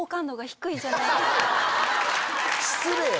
失礼よ！